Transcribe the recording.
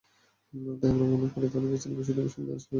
তাই আমরা মনে করি, তাঁদের বিচারের বিষয়টি সামনে নিয়ে আসা জরুরি।